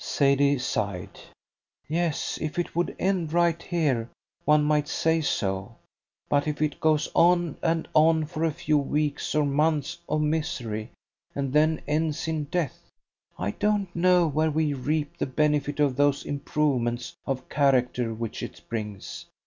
Sadie sighed. "Yes, if it would end right here one might say so; but if it goes on and on for a few weeks or months of misery, and then ends in death, I don't know where we reap the benefit of those improvements of character which it brings.